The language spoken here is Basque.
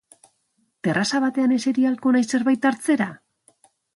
Terraza batean eseri ahalko naiz zerbait hartzera?